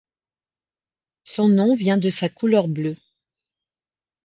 Son nom vient de sa couleur bleue.